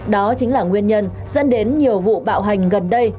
đó chính là nguyên nhân dẫn đến nhiều vụ bạo hành gần đây